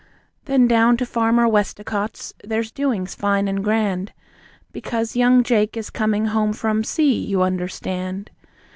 Then down to Farmer Westacott's, there's doings fine and grand, Because young Jake is coming home from sea, you understand.